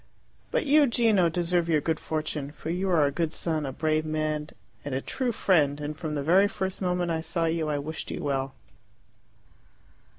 "But you, Gino, deserve your good fortune, for you are a good son, a brave man, and a true friend, and from the very first moment I saw you I wished you well."